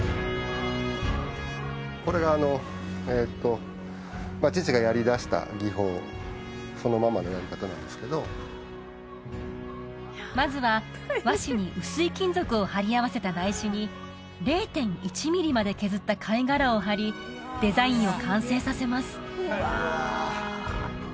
これが父がやりだした技法そのままのやり方なんですけどまずは和紙に薄い金属を貼り合わせた台紙に０．１ミリまで削った貝殻を貼りデザインを完成させます